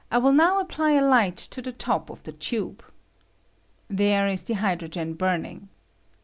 I will now apply a light to the top of the tube. There is the hydrogen burning.